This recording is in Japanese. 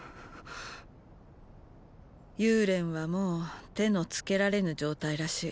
幽連はもう手のつけられぬ状態らしい。